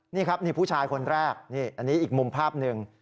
นี่ครับนี่ผู้ชายคนแรกนี่อันนี้อีกมุมภาพหนึ่ง